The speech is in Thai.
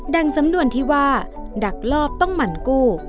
สำนวนที่ว่าดักลอบต้องหมั่นกู้